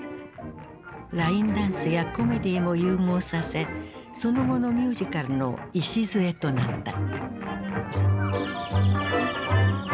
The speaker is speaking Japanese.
ラインダンスやコメディーも融合させその後のミュージカルの礎となった。